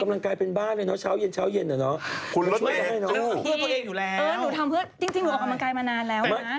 สันดาลเราจะเป็นสันดาลของเธอ